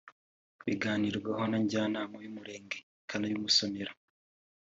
biganirwaho na Njyanama y’umurenge ikabimusonera